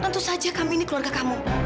tentu saja kami ini keluarga kamu